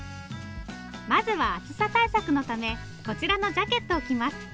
まずは暑さ対策のためこちらのジャケットを着ます。